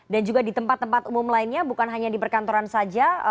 dan juga di tempat tempat umum lainnya bukan hanya di perkantoran saja